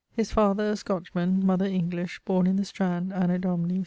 His father, a Scotchman; mother, English. Borne in the Strand, Anno Dni.